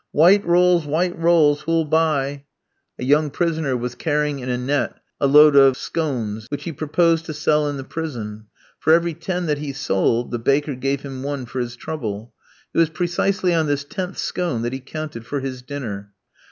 "White rolls, white rolls; who'll buy?" A young prisoner was carrying in a net a load of calachi (scones), which he proposed to sell in the prison. For every ten that he sold, the baker gave him one for his trouble. It was precisely on this tenth scone that he counted for his dinner.